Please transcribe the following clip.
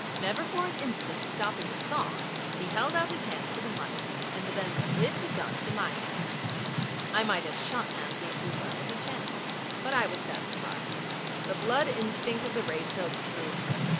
Never for an instant stopping the song he held out his hand for the money, and then slid the gun to my hand. I might have shot Namgay Doola as he chanted. But I was satisfied. The blood instinct of the race held true.